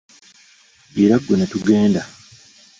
Gira ggwe ne tugenda.